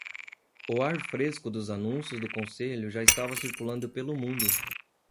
O ar fresco dos anúncios do conselho já estava circulando pelo mundo.